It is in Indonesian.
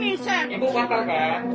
ibu apa kak